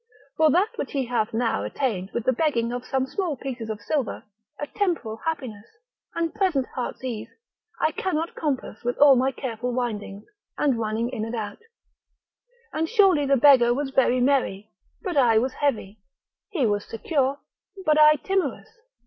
For that which he hath now attained with the begging of some small pieces of silver, a temporal happiness, and present heart's ease, I cannot compass with all my careful windings, and running in and out, And surely the beggar was very merry, but I was heavy; he was secure, but I timorous.